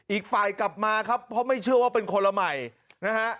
อีกฝ่ายกลับมาครับเพราะไม่เชื่อว่าเป็นคนละใหม่นะฮะ